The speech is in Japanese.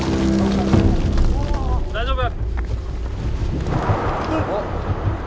大丈夫！？